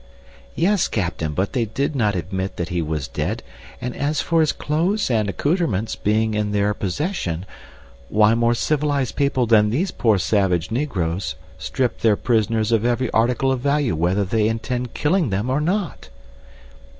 "Yes, Captain, but they did not admit that he was dead and as for his clothes and accouterments being in their possession—why more civilized peoples than these poor savage negroes strip their prisoners of every article of value whether they intend killing them or not.